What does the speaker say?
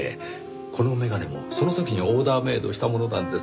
この眼鏡もその時にオーダーメイドしたものなんです。